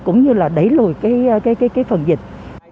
cũng như là đẩy lùi cái phần dịch